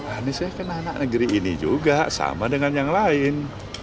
anies saya kan anak negeri ini juga sama dengan yang lain